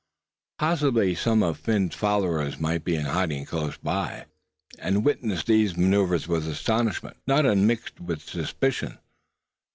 Possibly some of Phin's followers might be in hiding close by, and witness these maneuvers with astonishment, not unmixed with suspicion.